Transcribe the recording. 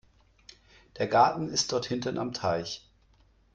Der Garten ist dort hinten am Teich.